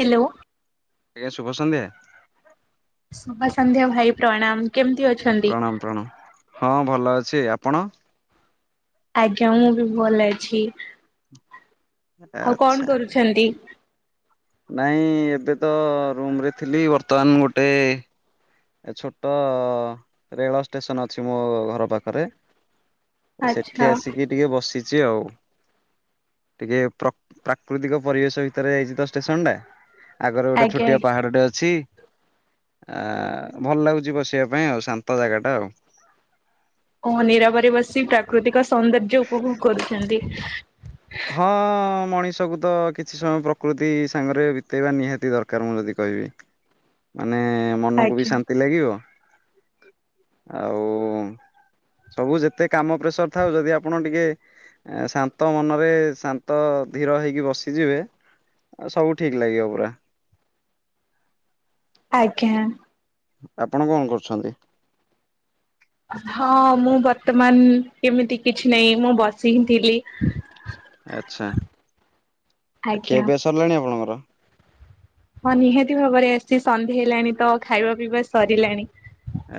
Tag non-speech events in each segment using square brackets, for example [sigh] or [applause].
Hello. ଆଜ୍ଞା ଶୁଭସନ୍ଧ୍ୟା। ଶୁଭ ସନ୍ଧ୍ୟା ଭାଇ ପ୍ରଣାମ। କେମିତି ଅଛନ୍ତି। ପ୍ରଣାମ ପ୍ରଣାମ ହଁ ଭଲ ଅଛି ଆପଣ। ଆଜ୍ଞା ମୁଁ ବି ଭଲ ଅଛି ଆଉ କଣ ଆଚ୍ଛା। କରୁଛନ୍ତି। ନାଇଁ ଏବେ ତ ରୁମ ରେ ଥିଲି ବର୍ତ୍ତମାନ ଗୋଟେ ଏ ଛୋଟ ରେଳ ଷ୍ଟେସନ ଅଛି ମୋ ଘର ପାଖରେ ସେଠି ଆଚ୍ଛା ଆସିକି ଟିକେ ବସି ଚି ଆଉ ଟିକେ ପ୍ର ପ୍ରାକୃତିକ ପରିବେଶ ଭିତରେ ଯାଇଛି ତ ଷ୍ଟେସନ ଟା ଆଗର ଗୋଟେ ଆଜ୍ଞା ଛୋଟିଆ ଆଜ୍ଞା। ପାହାଡଟେ ଅଛି ଆ ଭଲ ଲାଗୁଛି ବସିବା ପାଇଁ ଆଉ ଶାନ୍ତ ଜାଗା ଟା ଆଉ। ଓ ନିରବର ବସି ପ୍ରାକୃତିକ ସୌନ୍ଦର୍ଯ୍ୟ ଉପଭୋଗ କରୁଛନ୍ତି। ହଁ ମଣିଷକୁ ତ କିଛି ସମୟ ପ୍ରକୃତି ସାଙ୍ଗରେ ବିତେଇବା ନିହାତି ଦରକାର ମୁଁ ଯଦି କହିବି। ମାନେ ମନକୁ ବି ଆଜ୍ଞା। ଶାନ୍ତି ଲାଗିବ ଆଉ ସବୁ ଯେତେ କାମ ପ୍ରେସର ଥାଉ ଯଦି ଆପଣ ଟିକେ ଶାନ୍ତ ମନ ଏ ଶାନ୍ତ ଧିର ହେଇକି ବସିଯିବେ ଆଉ ସବୁ ଠିକ ଲାଗିବ ପୁରା। ଆଜ୍ଞା। ଆପଣ କଣ କରୁଛନ୍ତି। ହଁ ମୁଁ ବର୍ତ୍ତମାନ ଏମିତି କିଛି ନାହିଁ ମୁଁ ବସି ହିଁ ଥିଲି। ଆଛା ଆ ଆଜ୍ଞା। ଖିଆପିଆ ସରିଲାଣି ଆପଣଙ୍କର? ହଁ ନିହାତି ଭାବରେ ଆସି ସନ୍ଧ୍ୟା ହେଇଲାଣି ତ ଖାଇବା ପିଇବା ସରିଲାଣି।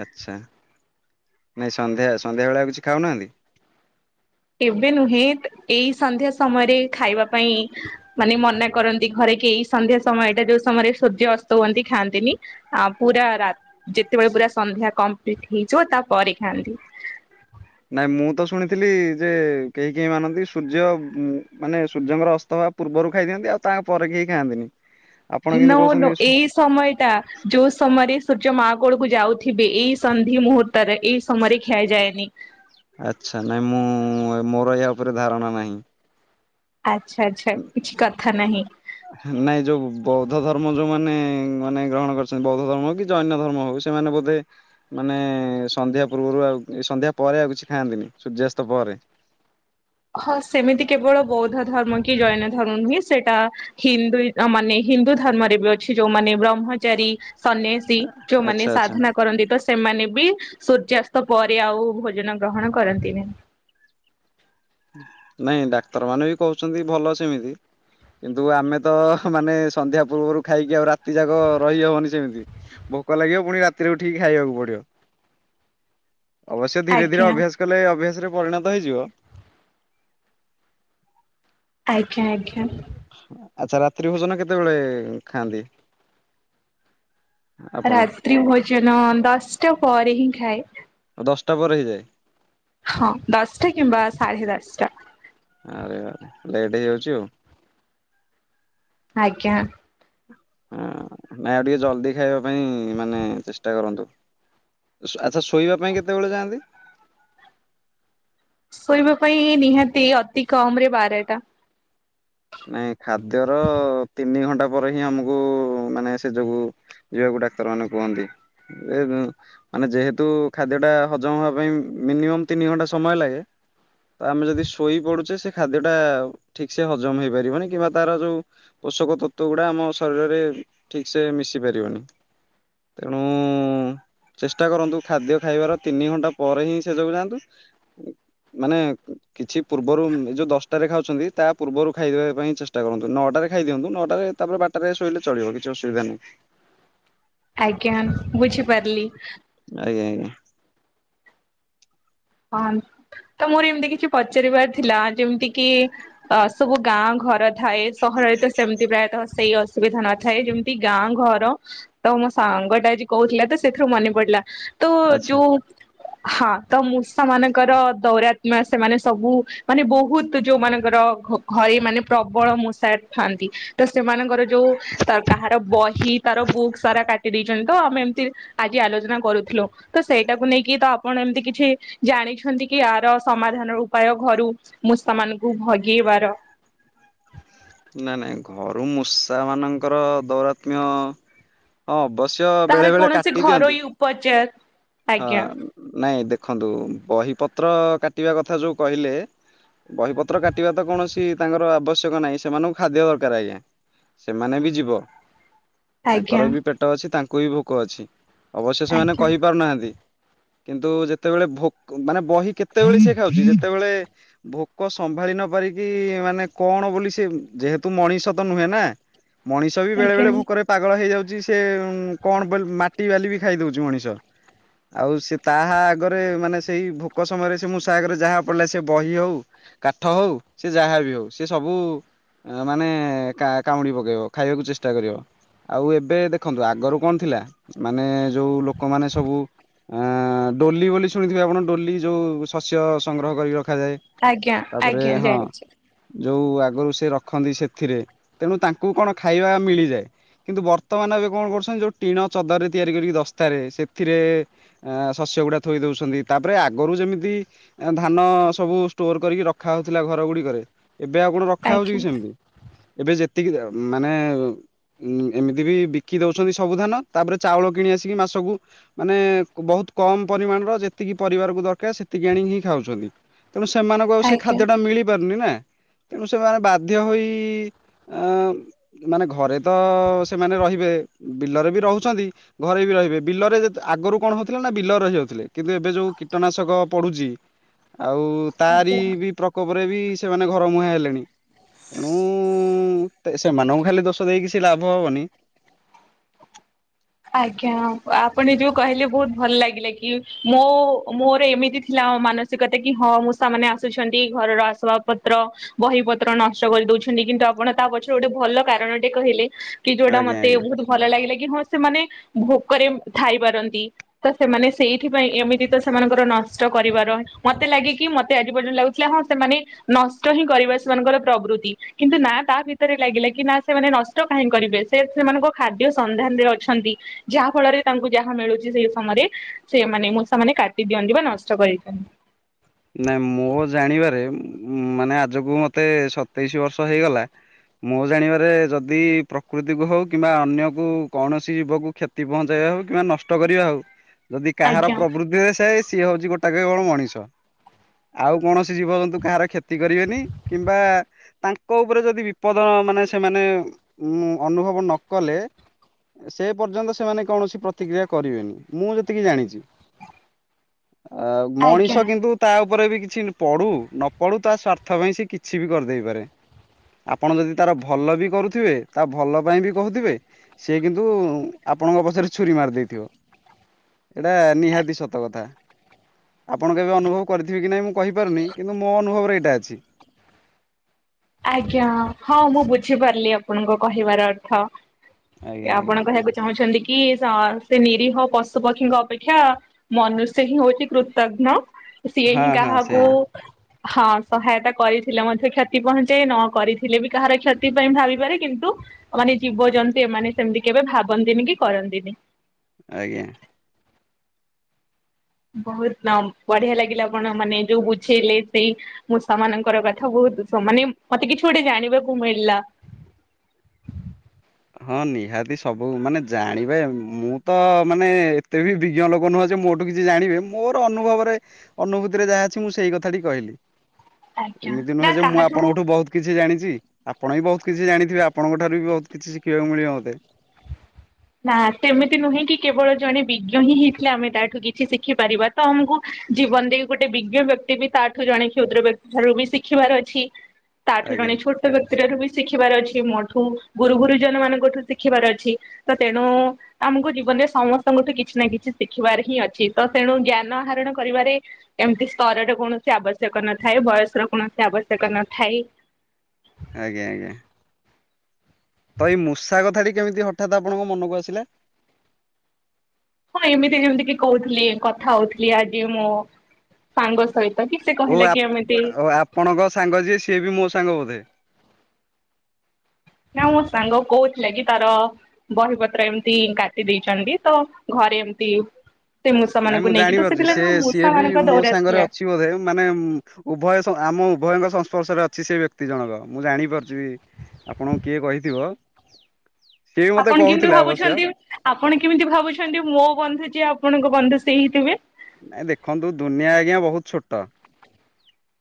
ଆଚ୍ଛା ନାଇଁ ସନ୍ଧ୍ୟା ସନ୍ଧ୍ୟା ବେଳେ ଆକୁ କିଛି ଖାଉନାହାନ୍ତି? ଏବେ ନୁହେଁ ଏଇ ସନ୍ଧ୍ୟା ସମୟରେ ଖାଇବା ପାଇଁ ମାନେ ମନା କରନ୍ତି ଘରେ କେହି ସନ୍ଧ୍ୟା ସମୟଟା ଯୋଉ ସମୟରେ ସୂର୍ଯ୍ୟ ଅସ୍ତ ହୁଅନ୍ତି ଖାଆନ୍ତିନି ଆ ପୁରା ରା ଯେତେବେଳେ ପୁରା ସନ୍ଧ୍ୟା କମ୍ପ୍ଲିଟ ହେଇଯିବ ତା ପରେ ଖାଆନ୍ତି। ନାଇଁ ମୁଁ ତ ଶୁଣିଥିଲି ଯେ କେହି କେହି ମାନନ୍ତି ସୂର୍ଯ୍ୟ ମାନେ ସୂର୍ଯ୍ୟଙ୍କର ଅସ୍ତହବା ପୂର୍ବରୁ ଖାଇଦିଅନ୍ତି ଆଉ ତାଙ୍ ପରେ କେହି ଖାଆନ୍ତିନି। ଆପଣ କିନ୍ତୁ ନୋ ନୋ କହୁଛନ୍ତି ଏଇ ସମୟ ଟା ଯୋଉ ସମୟରେ [unintelligible] ଯ ମାଆ କୋଳକୁ ଯାଉଥିବେ ଏଇ ସନ୍ଧି ମୁହୂର୍ତରେ ଏଇ ସମୟରେ ଖିଆଯାଏନି ଆଚ୍ଛା ନାଇଁ ମୁଁ ମୋର ଏହା ଉପରେ ଧାରଣା ନାହିଁ। ଆଚ୍ଛା ଆଚ୍ଛା କିଛି କଥା ନାହିଁ। ନାଇଁ ଯୋଉ ବୌଦ୍ଧ ଧର୍ମ ଯୋଉମାନେ ମାନେ ଗ୍ରହଣ କରିଛନ୍ତି ବୌଦ୍ଧ ଧର୍ମ ହଉ କି ଜୈନ୍ୟ ଧର୍ମ ହଉ ସେମାନେ ବୋଧେ ମାନେ ସନ୍ଧ୍ୟା ପୂର୍ବରୁ ଆଉ ସନ୍ଧ୍ୟା ପରେ ଆଉ କିଛି ଖାଆନ୍ତିନି ସୂର୍ଯ୍ୟାସ୍ତ ପରେ। ହଁ ସେମିତି କେବଳ ବୌଦ୍ଧ ଧର୍ମ କି ଜୈନ ଧର୍ମ ନୁହେଁ ସେଇଟା ହିନ୍ଦୁ ମାନେ ହିନ୍ଦୁ ଧର୍ମରେ ବି ଅଛି ଯୋଉମାନେ ବ୍ରହ୍ମଚାରୀ କି ସନ୍ନ୍ୟାସୀ ଯୋଉମାନେ ଆଚ୍ଛା ଆଚ୍ଛା ସାଧନା କରନ୍ତି ତ ସେମାନେ ବି ସୂର୍ଯ୍ୟାସ୍ତ ପରେ ଆଉ ଭୋଜନ ଗ୍ରହଣ କରନ୍ତିନି। ନାଇଁ ଡାକ୍ତର ମାନ ବି କହୁଛନ୍ତି ଭଲ ସେମିତି କିନ୍ତୁ ଆମେ ତ ମାନେ ସନ୍ଧ୍ୟା ପୂର୍ବରୁ ଖାଇକି ଆଉ ରାତି ଯାକ ରହିହବନି ସେମିତି ଭୋକ ଲାଗିବ ପୁଣି ରାତିରେ ଉଠିକି ଖାଇବାକୁ ପଡିବ। ଅବଶ୍ୟ ଧୀରେ ଧୀରେ ଆଜ୍ଞା ଅଭ୍ୟାସ କଲେ ଅଭ୍ୟାସରେ ପରିଣତ ହେଇଯିବ। ଆଜ୍ଞା ଆଜ୍ଞା। ଆଚ୍ଛା ରାତ୍ରି ଭୋଜନ କେତେବେଳେ ଖାଆନ୍ତି? ଆପଣ ରାତ୍ରି ଭୋଜନ ଦଶଟା ପରେ ହିଁ ଖାଏ। ଦଶଟା ପରେ ହେଇଯାଏ। ହଁ ଦଶଟା କିମ୍ବା ସାଢ଼େ ଦଶଟା। ଆରେ ଲେଟ୍ ହେଇଯାଉଛୁ ଆ ଆଜ୍ଞା। ହଁ ନାଇ ଆଉ ଟିକେ ଜଲଦି ଖାଇବା ପାଇଁ ମାନେ ଚେଷ୍ଟା କରନ୍ତୁ ଆଚ୍ଛା ଶୋଇବା ପାଇଁ କେତେବେଳେ ଯାଆନ୍ତି? ଶୋଇବା ପାଇଁ ନିହାତି ଅତି କମ ରେ ବାରେଟା। ନାଇଁ ଖାଦ୍ୟର ତିନି ଘଣ୍ଟା ପରେ ହିଁ ଆମକୁ ମାନେ ସେ ଯୋଗୁ ଯିବାକୁ ଡାକ୍ତର ମାନେ କୁହନ୍ତି ମାନେ ଯେହେତୁ ଖାଦ୍ୟ ଟା ହଜମ ହବା ପାଇଁ ମିନିମମ୍ ତିନି ଘଣ୍ଟା ସମୟ ଲାଗେ ତ ଆମେ ଯଦି ଶୋଇ ପଡୁଛେ ସେ ଖାଦ୍ୟ ଟା ଠିକ ସେ ହଜମ ହେଇପାରିବନି କିମ୍ବା ତାର ଯୋଉ ପୋଷକ ତତ୍ଵ ଗୁଡା ଆମ ଶରୀରରେ ଠିକ ସେ ମିଶି ପାରିବନି ତେଣୁ ଚେଷ୍ଟା କରନ୍ତୁ ଖାଦ୍ୟ ଖାଇବାର ତିନି ଘଣ୍ଟା ପରେ ହିଁ ଶେଯ କୁ ଯାଆନ୍ତୁ ମାନେ କିଛି ପୂର୍ବରୁ ଯୋଉ ଦଶଟାରେ ଖାଉଛନ୍ତି ତା ପୂର୍ବରୁ ଖାଇଦେବା ପାଇଁ ଚେଷ୍ଟା କରନ୍ତୁ ନଅଟାରେ ଖାଇଦିଅନ୍ତୁ ନଅଟାରେ ତାପରେ ବାରଟା ଶୋଇଲେ ଚଳିବ କିଛି ଅସୁବିଧା ନାହିଁ। ଆଜ୍ଞା ବୁଝିପାରିଲି। [unintelligible] ହଁ ତ ମୋର ଏମିତି କିଛି ପଚାରିବାର ଥିଲା ଯେମିତି କିି ଅ ସବୁ ଗାଁ ଘର ଥାଏ ସହରରେ ତ ସେମିତି ପ୍ରାୟତଃ ସେଇ ଅସୁବିଧା ନଥାଏ ଯେମିତି ଗାଁ ଘର ତ ମୋ ସାଙ୍ଗ ଟା ଆଜି କହୁଥିଲା ତ ସେଥିରୁ ମନେ ପଡିଲା। ତ ଆଚ୍ଛା। ଯୋଉ ହଁ ତ ମୁ ସେମାନଙ୍କର ଦୌରାତମା ସେମାନେ ସବୁ ମାନେ ବହୁତ ଯୋଉମାନଙ୍କର ଘରେ ମାନେ ପ୍ରବଳ ମୁ ଟ ଥାଆନ୍ତି ତ ସେମାନଙ୍କର ଯୋଉ ତ କାହାର ବହି ତାର ବୁକ୍ ସାରା କାଟି ଦେଇେଇଛନ୍ତି ତ ଆମେ ଏମିତି ଆଜି ଆଲୋଚନା କରୁଥିଲୁ ତ ସେଇଟାକୁ ନେଇକି ତ ଆପଣ ଏମିତି କିଛି ଜାଣିଛନ୍ତି କି ଏହାର ସମାଧାନର ଉପାୟ ଘରୁ ମୁଷମାନଙ୍କୁ ଭଗେଇବାର। ନାଇଁ ନାଇଁ ଘରୁ ମୂଷା ମାନଙ୍କର ଦୌରାତ୍ମ୍ୟ ହଁ ଅବ ତହାର କୌଣସି ଘରୋଇ ଉପଚାର ହଁ ଆଜ୍ଞା ନାଇଁ ଦେ ଦେଖନ୍ତୁ ବହିପତ୍ର କାଟିବା କଥା ଯୋଉ କହିଲେ ବହିପତ୍ର କାଟିବା ତ କୌଣସି ତାଙ୍କର ଆବଶ୍ୟକ ନାହିଁ ସେମାନଙ୍କୁ ଖାଦ୍ୟ ଦରକାର ଆଜ୍ଞା, ସେମାନେ ବି ଯିବ। ଆଜ୍ଞା ତାଙ୍କର ବି ପେଟ ଅଛି ତାଙ୍କ କୁଇ ଭୋକ ଅଛି। ଅବଶ୍ୟ ସେମାନେ ଆଜ୍ଞା କହିପାରୁନାହାନ୍ତି । କିନ୍ତୁ ଯେତେବେଳେ ଭୋକ ମାନେ ବହି କେତେବେଳେ ସେ ଖାଉଛି ଯେତେବେଳେ ଭୋକ ସମ୍ଭାଳି ନ ପାରିକି ମାନେ କଣ ବୋଲି ସେ ଯେହେତୁ ମଣିଷ ତ ନୁହେଁ ନା ମଣିଷ ବି ବେଳେ ଆଜ୍ଞା ବେଳେ ଭୋକରେ ପାଗଳ ହେଇଯାଉଛି। ସେ କଣ ମାଟି ବାଲି ବି ଖାଇ ଦଉଛି ମଣିଷ । ଆଉ ସେ ତାହା ଆଗରେ ମାନେ ସେଇ ଭୋକ ସମୟରେ ସେ ମୂଷା ଆଗରେ ଯାହା ପଡିଲା ସେ ବହି ହଉ କାଠ ହଉ ସେ ଯାହା ବି ହଉ ସେ ସବୁ ମାନେ କାମୁଡି ପକେଇବ ଖାଇବାକୁ ଚେଷ୍ଟା କରିବ ଆଉ ଏବେ ଦେଖନ୍ତୁ ଆଗରୁ କଣ ଥିଲା ମାନେ ଯୋଉ ଲୋକମାନେ ସବୁ ଆ ଡୋଲି ବୋଲି ଶୁଣିଥିବେ ଆପଣ ଡୋଲି ଯୋଉ ଶସ୍ୟ ସଂଗ୍ରହ କରିକି ରଖି ରଖାଯାଏ, ଆଜ୍ଞା ତାପରେ ଆଜ୍ଞା ହଁ ଜାଣିଛି ଯୋଉ ଆଗ ଆଗରୁ ସେ ରଖନ୍ତି ସେଥିରେ ତେଣୁ ତାଙ୍କୁ କଣ ଖାଇବା ମିଳିଯାଏ କିନ୍ତୁ ବର୍ତ୍ତମାନ ଏବେ କଣ କରୁଛନ୍ତି ଯୋଉ ଟିଣ ଚଦରରେ ତିଆରି କରିକି ଦସ୍ତାରେ ସେଥିରେ ଆ ଶସ୍ୟ ଗୁଡା ଥୋଇ ଦଉଛନ୍ତି ତାପରେ ଆଗରୁ ଯେମିତି ଧାନ ସବୁ ଷ୍ଟୋର କରିକି ରଖା ହଉଥିଲା ଘର ଗୁଡିକରେ ଏବେ ଆଉ କଣ ରଖା ହଉଛି ଆଜ୍ଞା କି ସେମିତି । ଏବେ ଯେତିକି ମାନେ ଉ ଏମିତି ବି ବିକି ଦଉଛନ୍ତି ସବୁ ଧାନ ତାପରେ ଚାଉଳ କିଣି ଆସିକି ମାସକୁ ମାନେ ବହୁତ କମ ପରିମାଣର ଯେତିକି ପରିବାରକୁ ଦରକାର ସେତିକି ଆଣିକି ହିଁ ଖାଉଛନ୍ତି । ତେଣୁ ସେମାନଙ୍କୁ ଆଉ ସେ ଆଜ୍ଞା ଖାଦ୍ୟଟା ମିଳିପାରୁନି ନା । ତେଣୁ ସେମାନେ ବାଧ୍ୟ ହୋଇ ଆ ମାନେ ଘରେ ତ ସେମାନେ ରହିବେ ବିଲରେ ବି ରହୁଛନ୍ତି ଘରେ ବି ରହିବେ ବିଲରେ ଯେ ଆଗରୁ କଣ ହଉ ଥିଲା ନା ବିଲ ରହିଯାଉଥିଲେ, କିନ୍ତୁ ଏବେ ଯୋଉ କୀଟନାଶକ ପଡୁଛି ଆଉ ତାରି ଆଜ୍ଞା ବି ପ୍ରକୋପ ପରେ ବି ସେମାନେ ଘର ମୁହାଁ ହେଲେଣି ତେଣୁଉ ସେମାନଙ୍କୁ ଖାଲି ଦୋଷ ଦେଇ କିଛି ଲାଭ ହବନି । ଆଜ୍ଞା ଆପଣ ଯୋଉ କହିଲେ ବହୁତ ଭଲ ଲାଗିଲେ କି ମୋ ମୋର ଏମିତି ଥିଲା ମାନସିକତା କି ହଁ ମୁଁ ସେମାନେ ଆସୁଛନ୍ତି ଘରର ଆସବା ପତ୍ର ବହି ପତ୍ର ନଷ୍ଟ କରି ଦଉଛନ୍ତି କିନ୍ତୁ ଆପଣ ତା ପଛରେ ଗୋଟେ ଭଲ କାରଣଟେ କହିଲେ । କି ଯୋଉଟା ଆଜ୍ଞା ମତେ ଆଜ୍ଞା। ବହୁତ ଭଲ ଲାଗିଲା କି ହଁ ଭୋକରେ ଥାଇ ପାରନ୍ତି ତ ସେମାନେ ସେଇଥି ପାଇଁ ଏମିତି ତ ସେମାନଙ୍କର ନଷ୍ଟ କରିବାର ମତେ ଲାଗିକି ମତେ ଆଜି ପର୍ଯ୍ୟନ୍ତ ଲାଗୁଥିଲା ହଁ ସେମାନେ ନଷ୍ଟ ହିଁ କରିବ ସେମାନଙ୍କର ପ୍ରବୃତି କିନ୍ତୁ ନା ତା ଭିତରେ ଲାଗିଲା କି ନା ସେମାନେ ନଷ୍ଟ କାହିଁ କରିବେ ସେ ସେମାନଙ୍କ ଖାଦ୍ୟ ସନ୍ଧାନରେ ଅଛ ନ୍ତୀ, ଯାହା ଫଳରେ ତାଙ୍କୁ ଯାହା ମିଳୁଛି ସେଇ ସମୟରେ ସେମାନେ ମୂଷା ମାନ କାଟି ଦିଅନ୍ତି ବା ନଷ୍ଟ କରିଦିଅନ୍ତି। ନାଇ ମୋ ଜାଣିବାରେ ମାନେ ଆଜକୁ ମତେ ସତେଇଶ ବର୍ଷ ହେଇଗଲା ମୋ ଜାଣିବାରେ ଯଦି ପ୍ରକୃତିକୁ ହଉ କିମ୍ବା ଅନ୍ୟ କ କୌଣସି ଜୀବକୁ କ୍ଷତି ପହଞ୍ଚେଇବା ହଉ କିମ୍ବା ନଷ୍ଟ କରିବା ହଉ ଯଦି କାହାର ଆଜ୍ଞା ପ୍ରଭୃତିରେ ସେଇ ସିଏ ହଉଛି ଗୋଟା କେବଳ ମଣିଷ । ଆଉ କୌଣସି ଜୀବଜନ୍ତୁ କାହାର କ୍ଷତି କରିବେନି କିମ୍ବା ତାଙ୍କ ଉପରେ ଯଦି ବିପଦ ମାନେ ସେମାନେ ଉ ଅନୁଭବ ନ କଲେ ସେ ପର୍ଯ୍ୟନ୍ତ ସେମାନେ କୌଣସି ପ୍ରତିକ୍ରିୟା କରିବେନି ମୁଁ ଯେତିକି ଜାଣିଛି। ଆ ଆଜ୍ଞା ମଣିଷ କିନ୍ତୁ ତା ଉପରେ ବି କିଛି ପଢୁ ନ ପଢୁ ତା ସ୍ଵାର୍ଥ ପାଇଁ ସେ କିଛି ବି କରିଦେଇପାରେ। ଆପଣ ଯଦି ତାର ଭଲ ବି କରୁଥିବେ ତା ଭଲ ପାଇଁ ବି କହୁଥିବେ, ସେ କିନ୍ତୁ ଆପଣଙ୍କ ପଛରେ ଛୁରୀ ମାରି ଦେଇ ଥିବ ଏଇଟା ନିହାତି ସତ କଥା ଆପଣଙ୍କ ଏବେ ଅନୁଭବ କରିଥିବି କି ନହିଁ ମୁଁ କହିପାରୁନି କିନ୍ତୁ ମୋ ଅନୁଭବରେ ଏଇଟା ଅଛି। ଆଜ୍ଞା ହଁ ମୁଁ ବୁଝିପାରିଲି ଆପଣଙ୍କ କହିବାର ଅର୍ଥ। ଆଜ୍ଞା ଆପଣ ଆଜ୍ଞା କହିବାକୁ ଚାହୁଁଛନ୍ତି କି ସ ସେ ନିରୀହ ପଶୁପକ୍ଷୀଙ୍କ ଅପେକ୍ଷା ମନୁଷ୍ୟ ହିଁ ହଉଛି କୃତଘ୍ନ। ସିଏ ହିଁ ହଁ ହଁ କାହାକୁ। ସେଇଆ ହଁ ସହାୟତା କରିଥିଲେ ମଧ୍ୟ କ୍ଷତି ପହଞ୍ଚି। ସେ ନ କରିଥିଲେ ବି କାହାର କ୍ଷତି ପାଇଁ ଭାବିପାରେ କିନ୍ତୁ ମାନେ ଜୀବଜନ୍ତୁ ଏମାନେ ସେମିତି କେବେ ଭାବନ୍ତିନି କି କରନ୍ତିନି। ଆଜ୍ଞା। ବହୁତ ବଢିଆ ଲାଗିଲା ଆପଣ ମାନେ ଯୋଉ ବୁଝେଇଲେ ସେଇ ମୁଁ ସେମାନଙ୍କର କଥା ବହୁତ ମାନେ ମତେ କିଛି ଗୋଟେ ଜାଣିବାକୁ ମିଳିଲା। ହଁ ନିହାତି ସବୁ ମାନେ ଜାଣିବେ ମୁଁ ତ ମାନେ ଏତେ ବି ବିଜ୍ଞ ଲୋକ ନୁହଁ ଯେ ମୋଠୁ କିଛି ଜାଣିବେ ମୋର ଅନୁଭବରେ ଅନୁଭୂତିରେ ଯାହା ଅଛି ମୁଁ ସେଇ କଥାଟି କହିଲି। ଆଜ୍ଞା ଏମିତି ନା ନୁହେଁ ଯେ ମୁଁ କାହାଠୁ ଆପଣଙ୍କଠୁ ବହୁତ କିଛି ଜାଣିଛି। ଆପଣ ବି ବହୁତ କିଛି ଜାଣିଥିବେ ଆପଣଙ୍କ ଠାରୁ ବି ବହୁତ। କିଛି ଶିଖିବାକୁ ମିଳିବ ମୋତେ। ନା ସେମିତି ନୁହେଁ କି କେବଳ ଜଣେ ବିଜ୍ଞ ହିଁ ହେଇଥିଲେ ଆମେ ତାଠୁ କିଛି ଶିଖି ପାରିବା ତ ଆମକୁ ଜୀବନ ଦେଇ ଗୋଟେ ବିଜ୍ଞ ବ୍ୟକ୍ତି ବି ତାଠୁ ଜଣେ କ୍ଷୁଦ୍ର ବ୍ୟକ୍ତି ଠାରୁ ବି ଶିଖିବାର ଅଛି। ତାଠୁ ଆଜ୍ଞା। ଜଣେ ଛୋଟ ବ । ସେଠୁ ବି ଶିଖିବାର ଅଛି ମୋ ଠୁ ଗୁରୁ ଗୁରୁଜନ ମାନଙ୍କଠୁ ଶିଖିବାର ଅଛି। ତ ତେଣୁ ଆମକୁ ଜୀବନରେ ସମସ୍ତଙ୍କଠୁ କିଛି ନା କିଛି ଶିଖିବାର ହିଁ ଅଛି ତ ତେଣୁ ଜ୍ଞାନ ଆରଣ କରିବାରେ ଏମତି ସ୍ତରର କୌଣସି ଆବଶ୍ୟକ ନଥାଏ ବୟସ ର କୌଣସି ଆବଶ୍ୟକ ନଥାଏ। ଆଜ୍ଞା ଆଜ୍ଞା। ତ ଏଇ ମୂଷା କଥା ଟି କେମିତି ହଠାତ ଆପଣଙ୍କ ମନକୁ ଆସିଲା । ହଁ ଏମିତି ଯେମିତି କି କହୁଥିଲି କଥା ହଉଥିଲି ଆଜି ମୁଁ। ଓ ଆପ ଆପଣଙ୍କ ସାଙ୍ଗ ଯିଏ ସିଏ ବି ମୋ। ସଙ୍ଗ ବୋଧେ। ନା ମୋ ସାଙ୍ଗ କହୁଥିଲା କି ତାର ବହିପତ୍ର ଏମିତି କାଟି ଦେଇେଇଛନ୍ତି ତ ଘରେ ଏମିତି। ସେ ମୂଷା ନାଇଁ ମାନଙ୍କୁ ମୁଁ ନେଇକି ତ ଜାଣିପାରୁଛି ସେ ସେଥିଲାଗି ନା ସିଏ ମୂଷା ବି ମାନଙ୍କ ମୋ ଦୌରା ସାଙ୍ଗରେ ଥିଲା। ଅଛି ବୋଧେ ମାନେ ଉଭୟ। ଆମ ଉଭୟଙ୍କ ସଂସ୍ପର୍ଶରେ ଅଛି ସେ ବ୍ୟକ୍ତି ଜଣକ ମୁଁ ଜାଣିପାରୁଛି ବି ଆପଣଙ୍କୁ କିଏ କହିଥିବ। ସିଏ ବି ମତେ ଆପଣ କେମିତି କହୁଥିଲା ଅବଶ୍ୟ ଭାବୁଛନ୍ତି ଆପଣ କେମିତି ଭାବୁଛନ୍ତି ମୋ ବନ୍ଧୁ ଯିଏ। ଆପଣଙ୍କ ବନ୍ଧୁ ସେ ହେଇଥିବେ। ନାଇଁ ଦେଖନ୍ତୁ ଦୁନିଆ ଆଜ୍ଞା ବହୁତ ଛୋଟ।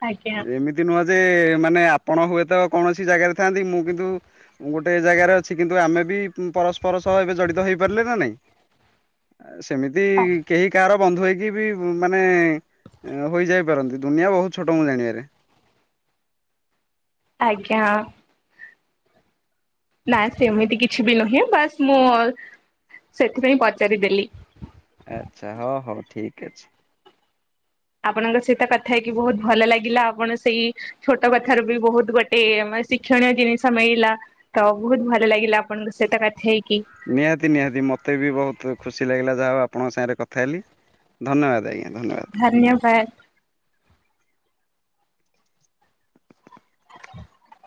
ଆଜ୍ଞା ଏମିତି ନୁହ। ଯେ ମାନେ ଆପଣ ହୁଏତ କୌଣସି ଜାଗାରେ ଥାନ୍ତି ମୁଁ କିନ୍ତୁ ଗୋଟେ ଜାଗାରେ ଅଛି କିନ୍ତୁ ଆମେ ବି ପରସ୍ପର ସହ ଏବେ ଜଡିତ ହେଇପାରିଲେ ନା ନାଇଁ। ସେମିତି କେହି କାହାର। ବନ୍ଧୁ ହୋଇ। ବି ମାନେ ହୋଇଯାଇ ପାରନ୍ତି ଦୁନିଆ ବହୁତ ଛୋଟ ମୁଁ ଜାଣିବାରେ। ଆଜ୍ଞା। ନା ସେମିତି କିଛି ବି ନୁହେଁ ବାସ୍ ମୁଁ ସେଥିପାଇଁ ପଚାରିଦେଲି। ଠିକ ଅଛି। ଆପଣଙ୍କ ସହିତ କଥା ହେଇକି ବହୁତ ଭଲ ଲାଗିଲା ଆପଣ ସେଇ। ଛୋଟ କଥାରୁ ବି ବହୁତ ଗୋଟେ। ଏ ମା ଶିକ୍ଷଣୀୟ ଜିନିଷ ମିଳିଲା ତ ବହୁତ ଭଲ ଲାଗିଲା ଆପଣଙ୍କ ସହିତ କଥା ହେଇକି। ନିହାତି ନିହାତି ମତେ ବି ବହୁତ ଖୁସି ଲାଗିଲା ଯାହା ହଉ ଆପ । ଆପଣଙ୍କ ସାଙ୍ଗରେ କଥା ହେଲି ଧନ୍ୟବାଦ ଆଜ୍ଞା। ଧନ୍ୟବାଦ। ଧନ୍ୟବାଦ। [inaudible]